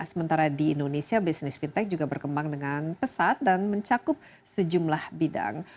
sementara di indonesia bisnis fintech juga berkembang dengan pesat dan mencakup sejumlah bidang